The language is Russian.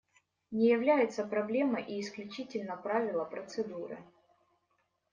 Не являются проблемой и исключительно правила процедуры.